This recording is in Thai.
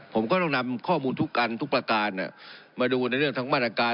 ผมก็ต้องนำข้อมูลทุกการทุกประการมาดูในเรื่องทั้งมาตรการ